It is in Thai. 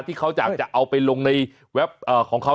ที่เค้าจะเอาไปลงในแวบของเค้า